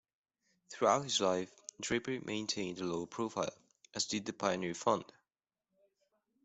Throughout his life, Draper maintained a low profile, as did the Pioneer Fund.